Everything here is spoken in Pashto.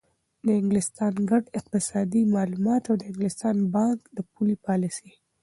د انګلستان ګډ اقتصادي معلومات او د انګلستان بانک د پولي پالیسۍ